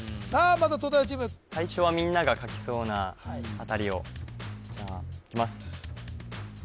まずは東大王チーム最初はみんなが書きそうなあたりをじゃあいきます